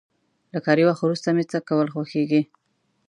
له کاري وخت وروسته مې څه کول خوښيږي؟